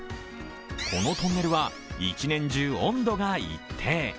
このトンネルは１年中温度が一定。